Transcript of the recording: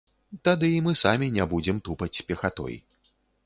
Тады і мы самі не будзем тупаць пехатой.